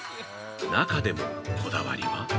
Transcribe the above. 中でもこだわりは？